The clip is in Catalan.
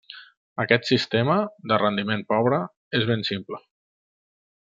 Aquest sistema, de rendiment pobre, és ben simple.